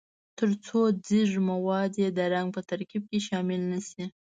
ترڅو ځیږ مواد یې د رنګ په ترکیب کې شامل نه شي.